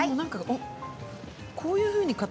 こういうふうにかた